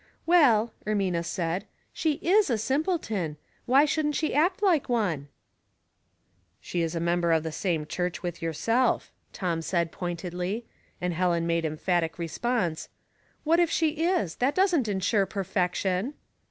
''Well," Ermina said, '""she is a simpleton; why shouldn't she act like one ?"*' She is a member of the same church with yourself," Tom said, pointedly ; and Helen made emphatic response, —" What if she is ? That doesn't insure peifeo tion."